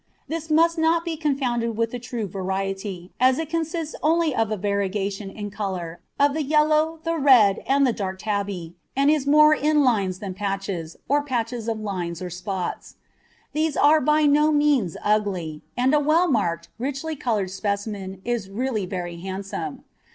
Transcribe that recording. This must not be confounded with the true variety, as it consists only of a variegation in colour of the yellow, the red, and the dark tabby, and is more in lines than patches, or patches of lines or spots. These are by no means ugly, and a well marked, richly coloured specimen is really very handsome.